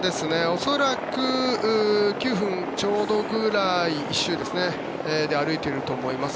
恐らく１周９分ちょうどぐらいで歩いていると思います。